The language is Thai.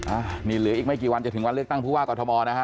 อันนี้เหลืออีกไม่กี่วันจะถึงวันเลือกตั้งผู้ว่ากรทมนะฮะ